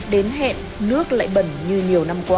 đến hẹn nước lại bẩn như nhiều năm qua